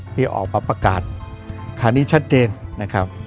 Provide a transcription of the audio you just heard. ที่ออกมาประกาศคราวนี้ชัดเจนนะครับ